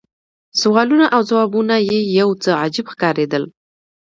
سوالونه او ځوابونه یې یو څه عجیب ښکارېدل.